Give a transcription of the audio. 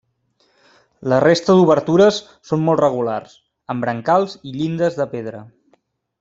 La resta d'obertures són molt regulars, amb brancals i llindes de pedra.